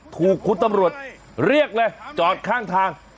ถูกคุณตำรวจเรียกเลยจอดข้างทาง